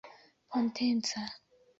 potenca